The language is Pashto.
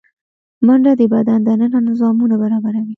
منډه د بدن دننه نظامونه برابروي